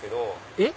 えっ？